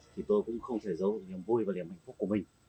thì tôi cũng không thể giấu được niềm vui và niềm hạnh phúc của mình